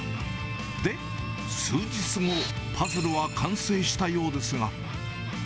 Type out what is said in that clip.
で、数日後、パズルは完成したようですが。